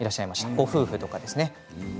ご夫婦とかですね。